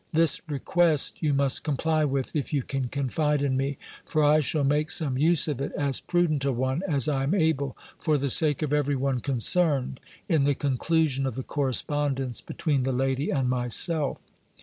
This request you must comply with, if you can confide in me; for I shall make some use of it (as prudent a one as I am able), for the sake of every one concerned, in the conclusion of the correspondence between the lady and myself.